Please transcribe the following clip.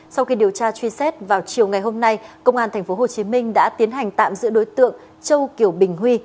sau khi điều tra truy xét vào chiều ngày hôm nay công an tp hcm đã tiến hành tạm giữ đối tượng châu kiều bình huy